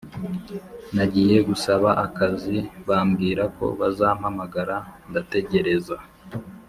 Nagiye gusaba akazi bambwirako bazampamagara ndategereza